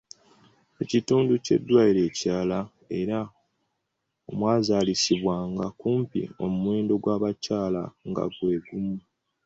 Ekitundu ky’eddwaliro ekirala era omwazaalisizibwanga kumpi omuwendo gw’abakyala nga gwe gumu.